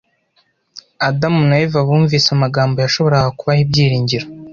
Adamu na Eva bumvise amagambo yashoboraga kubaha ibyiringiro.